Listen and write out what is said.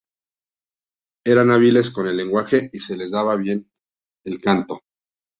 Eran hábiles con el lenguaje y se les daba bien el canto.